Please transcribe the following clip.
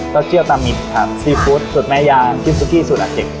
ตัวเจียวตามิดครับซีฟู้ดสูตรแม่ยางพริกซุกี้สูตรอาเก็กครับ